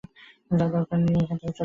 যা দরকার নিয়ে এখান থেকে চলে যাও।